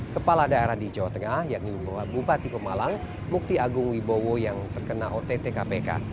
kepala daerah di jawa tengah yakni membawa bupati pemalang mukti agung wibowo yang terkena ott kpk